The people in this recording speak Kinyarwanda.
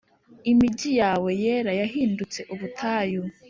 Imigi yawe yera yahindutse ubutayu